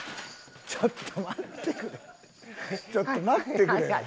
ちょっと待ってくれ。